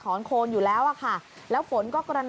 ออกในักลินนะครับ